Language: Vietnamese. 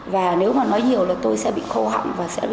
và nếu mà nói nhiều là tôi sẽ bị khô hẳn và sẽ bị nôn vẹo